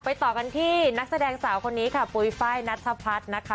ต่อกันที่นักแสดงสาวคนนี้ค่ะปุ๋ยไฟล์นัทธพัฒน์นะคะ